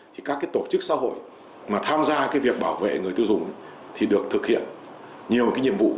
thì các tổ chức xã hội mà tham gia việc bảo vệ người tiêu dùng thì được thực hiện nhiều nhiệm vụ